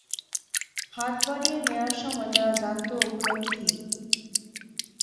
হাত বাড়িয়ে নেওয়ার সময় তারা জানত ওগুলো কী।